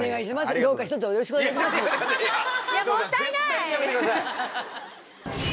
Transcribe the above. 絶対にやめてください。